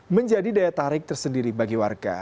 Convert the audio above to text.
menjadi daya tarik tersendiri bagi warga